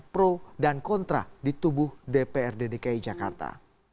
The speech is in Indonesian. pro dan kontra di tubuh dprd dki jakarta